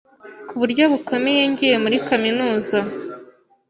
ku buryo bukomeye ngiye muri kaminuza